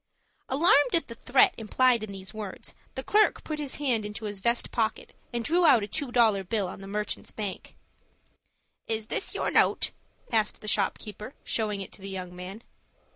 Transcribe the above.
Alarmed at the threat implied in these words, the clerk put his hand into his vest pocket, and drew out a two dollar bill on the Merchants' Bank. "Is this your note?" asked the shopkeeper, showing it to the young man.